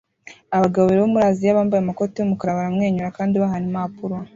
Abagabo babiri bo muri Aziya bambaye amakoti yumukara baramwenyura kandi bahana impapuro